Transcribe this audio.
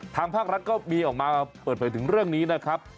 ทางภาครัฐก็มีออกมาเปิดเผยถึงเรื่องนี้นะครับ